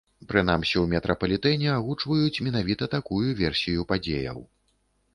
Прынамсі, у метрапалітэне агучваюць менавіта такую версію падзеяў.